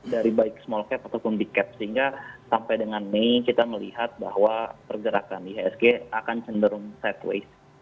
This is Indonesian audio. dari baik small cap ataupun big cap sehingga sampai dengan mei kita melihat bahwa pergerakan ihsg akan cenderung sideways